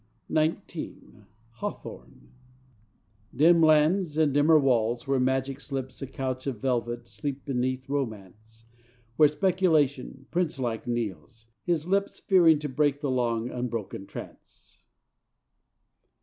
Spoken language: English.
[Illustration: Egypt Page 262 Quatrains] XIX Hawthorne Dim lands and dimmer walls, where Magic slips A couch of velvet sleep beneath Romance: Where Speculation, Prince like, kneels; his lips Fearing to break the long unbroken trance.